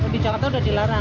di jakarta udah dilarang